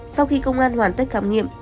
sau khi công an hoàn tất khám nghiệm